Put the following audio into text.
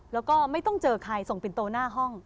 แล้วก็ไม่ต้องเจอใครส่งปินโตหน้าห้อง